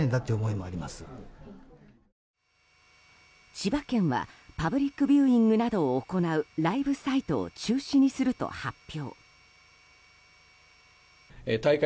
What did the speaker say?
千葉県はパブリックビューイングなどを行うライブサイトを中止にすると発表。